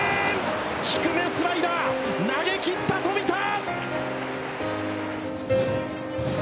低めスライダー、投げきった、冨田！